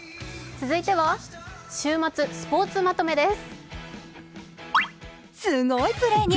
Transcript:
続いては週末スポーツまとめです。